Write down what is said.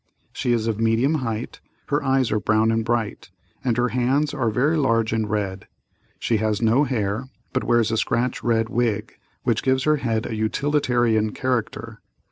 She is of medium height, her eyes are brown and bright, and her hands are very large and red. She has no hair, but wears a scratch red wig, which gives her head a utilitarian character.